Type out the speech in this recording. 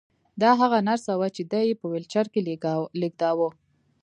دا هغه نرس وه چې دی یې په ويلچر کې لېږداوه